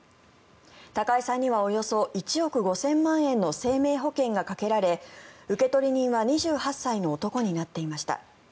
高井さんにはおよそ１億５０００万円の生命保険がかけられ受取人は２８歳の男になっていました。